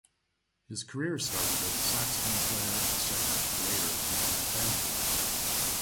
His career started as a saxophone player and singer, later becoming a band leader.